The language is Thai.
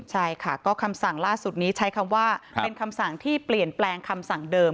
ใช่ค่ะก็คำสั่งล่าสุดนี้ใช้คำว่าเป็นคำสั่งที่เปลี่ยนแปลงคำสั่งเดิม